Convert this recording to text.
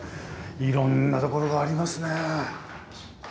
いろんなところがありますねえ。